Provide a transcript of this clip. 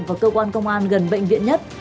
và cơ quan công an gần bệnh viện nhất